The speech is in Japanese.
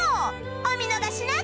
お見逃しなく！